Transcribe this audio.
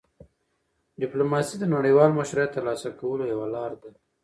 ډيپلوماسي د نړیوال مشروعیت ترلاسه کولو یوه لار ده.